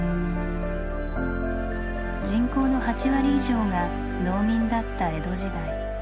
人口の８割以上が農民だった江戸時代。